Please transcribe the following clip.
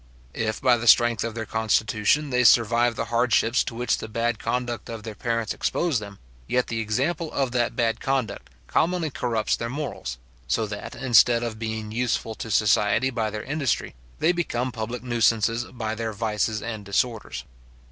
If by the strength of their constitution, they survive the hardships to which the bad conduct of their parents exposes them, yet the example of that bad conduct commonly corrupts their morals; so that, instead of being useful to society by their industry, they become public nuisances by their vices and disorders.